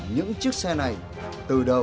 những chiếc xe này từ đâu